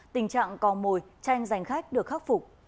tình trạng cò mồi tranh giành khách được khắc phục